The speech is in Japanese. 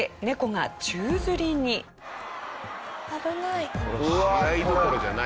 危ない。